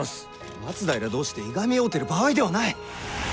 松平同士でいがみ合うてる場合ではない。